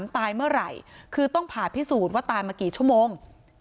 ตายเมื่อไหร่คือต้องผ่าพิสูจน์ว่าตายมากี่ชั่วโมง